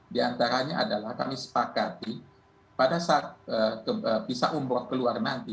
di antaranya adalah kami sepakati pada saat visa umroh keluar nanti